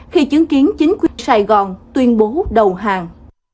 khi chứng kiến chính quyền sài gòn tuyên bố đầu hàng